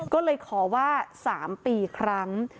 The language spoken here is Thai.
ก็เลยขอว่า๓ปีครั้ง